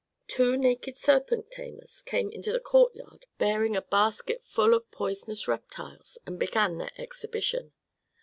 Two naked serpent tamers came into the courtyard bearing a basket full of poisonous reptiles, and began their exhibition.